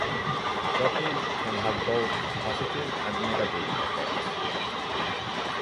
Shopping can have both positive and negative effects.